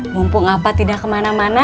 mumpung apa tidak kemana mana